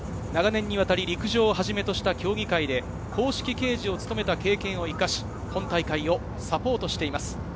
長年にわたり陸上をはじめとした競技会で公式計時を務めた経験を生かし、本大会をサポートしています。